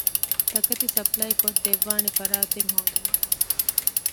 ތަކެތި ސަޕްލައި ކޮށްދެއްވާނޭ ފަރާތެއް ހޯދުމަށް